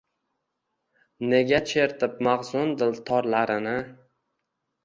Nega chertib mahzun dil torlarini